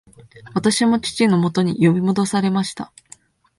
私も父のもとに呼び戻されました